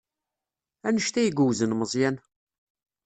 Anect ay yewzen Meẓyan?